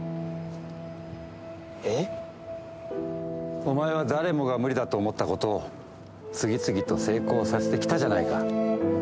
お前は誰もが無理だと思ったことを、次々と成功させてきたじゃないか。